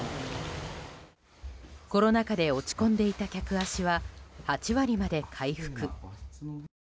コロナ禍で落ち込んでいた客足は８割まで回復。